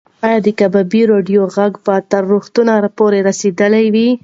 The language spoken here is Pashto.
ایا د کبابي د راډیو غږ به تر روغتونه پورې رسېدلی وي؟